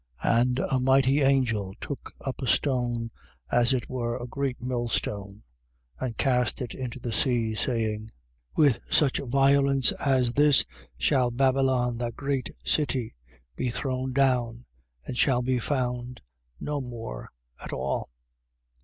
18:21. And a mighty angel took up a stone, as it were a great millstone, and cast it into the sea, saying: With such violence as this, shall Babylon, that great city, be thrown down and shall be found no more at all.